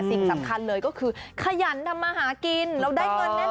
สิ่งสำคัญเลยก็คือขยันทำมาหากินแล้วได้เงินแน่